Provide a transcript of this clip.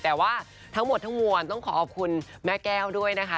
แต่ว่าทั้งหมดทั้งมวลต้องขอขอบคุณแม่แก้วด้วยนะคะ